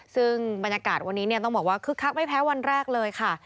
ซึ่งบรรยากาศวันนี้ต้องบอกว่าคึกคักไม่แพ้วันแรกเลยค่ะ